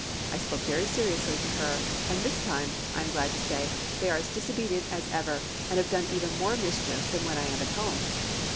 I spoke very seriously to her, and this time, I am glad to say, they are as disobedient as ever, and have done even more mischief than when I am at home.'